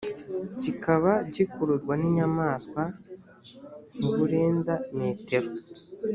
kikaba gikururwa n inyamaswa ntiburenza metero